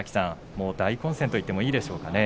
大混戦といってもいいでしょうかね。